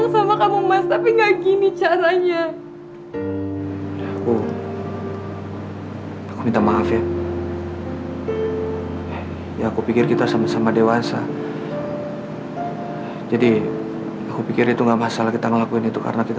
sampai jumpa di video selanjutnya